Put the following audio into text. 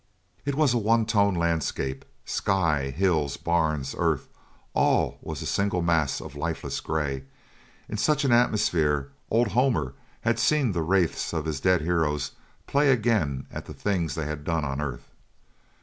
It was a one tone landscape. Sky, hills, barns, earth, all was a single mass of lifeless grey; in such an atmosphere old Homer had seen the wraiths of his dead heroes play again at the things they had done on earth.